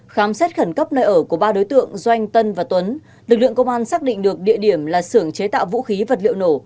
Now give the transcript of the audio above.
khám xét khẩn cấp nơi ở của ba đối tượng doanh tân và tuấn lực lượng công an xác định được địa điểm là sưởng chế tạo vũ khí vật liệu nổ